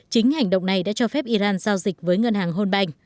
chính hành động này đã cho phép iran giao dịch với ngân hàng hôn banh